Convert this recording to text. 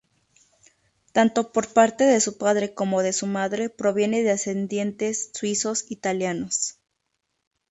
Tanto por parte de su padre como de su madre, proviene de ascendientes suizos-italianos.